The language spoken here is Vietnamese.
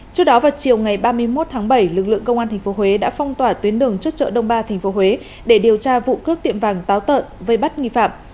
trước đó vào chiều ngày ba mươi một tháng bảy lực lượng công an tp huế đã phong tỏa tuyến đường trước chợ đông ba tp huế để điều tra vụ cướp tiệm vàng táo tợn vây bắt nghi phạm